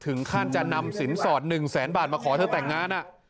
ถึงขั้นจะนำสินสอด๑แสนบาทมาขอเธอแต่งงาน